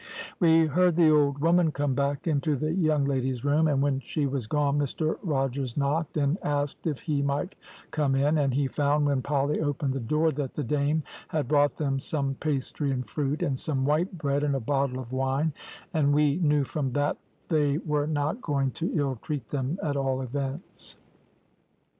"We heard the old woman come back into the young lady's room, and when she was gone Mr Rogers knocked and asked if he might come in, and he found, when Polly opened the door, that the dame had brought them some pastry and fruit, and some white bread and a bottle of wine, and we knew from that that they were not going to ill treat them at all events.